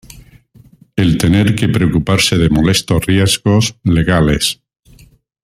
el tener que preocuparse de molestos riesgos legales